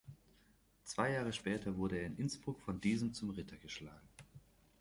Zwei Jahre später wurde er in Innsbruck von diesem zum Ritter geschlagen.